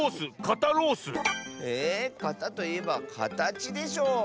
「かた」といえばかたちでしょ。